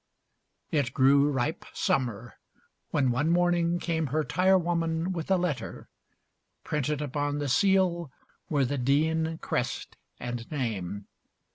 XXXIX It grew ripe Summer, when one morning came Her tirewoman with a letter, printed Upon the seal were the Deane crest and name.